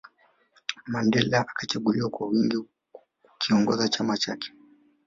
Mandela akachaguliwa kwa wingi kukiongoza chama chake